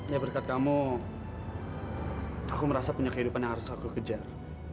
ya berkat kamu aku merasa punya kehidupan yang harus aku kejar